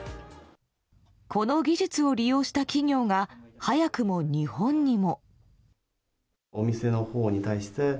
この技術を利用した企業が早くも日本にも。